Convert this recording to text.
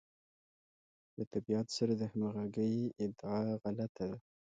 له طبیعت سره د همغږۍ ادعا غلطه ده.